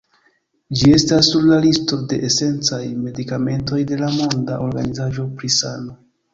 Ĝi estas sur la listo de esencaj medikamentoj de la Monda Organizaĵo pri Sano.